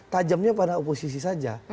tajamnya pada oposisi saja